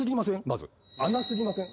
まず。穴過ぎません？